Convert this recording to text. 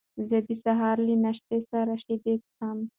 زه د سهار له ناشتې سره شیدې څښم.